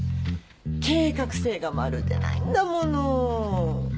計画性がまるでないんだもの。